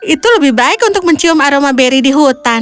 itu lebih baik untuk mencium aroma beri di hutan